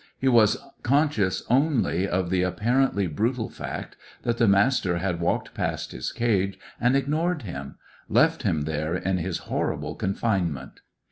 He was conscious only of the apparently brutal fact that the Master had walked past his cage and ignored him; left him there in his horrible confinement.